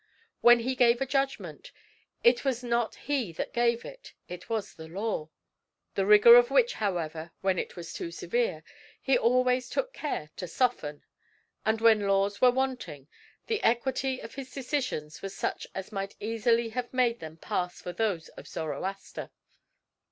When he gave judgment, it was not he that gave it, it was the law; the rigor of which, however, whenever it was too severe, he always took care to soften; and when laws were wanting, the equity of his decisions was such as might easily have made them pass for those of Zoroaster.